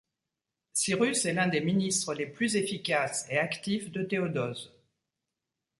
Cyrus est l'un des ministres les plus efficaces et actifs de Théodose.